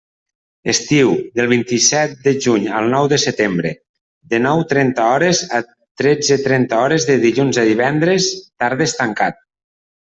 Estiu: del vint-i-set de juny al nou de setembre, de nou trenta hores a tretze trenta hores de dilluns a divendres, tardes tancat.